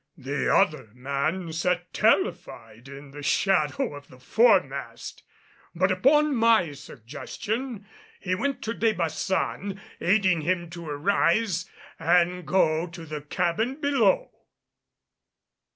The other man sat terrified in the shadow of the foremast, but upon my suggestion he went to De Baçan, aiding him to arise and go to the cabin below.